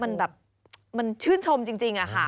มันแบบมันชื่นชมจริงอะค่ะ